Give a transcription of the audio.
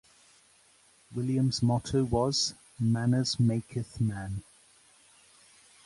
William's motto was 'Manners makyth man'.